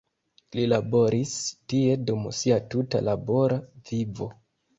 Li laboris tie dum sia tuta labora vivo.